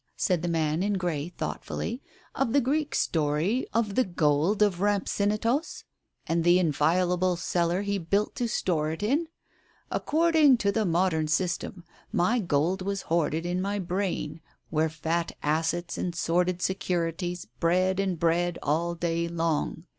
" said the" man in grey thought fully, "of the Greek story of the Gold of Rhampsinitos, and the inviolable cellar he built to store it in ? Accord ing to the modern system, my gold was hoarded in my brain, where fat assets and sordid securities bred and bred all day long.